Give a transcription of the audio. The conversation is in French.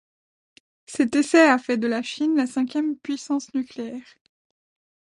Cet essai a fait de la Chine la cinquième puissance nucléaire.